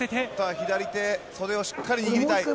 左手、袖をしっかり握りたい。